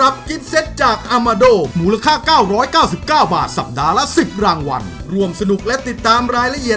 บ๊ายบาย